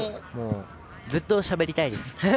ずっと、しゃべりたいです。